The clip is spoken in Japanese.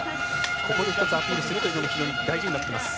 ここで一つアピールするというのも非常に大事になってます。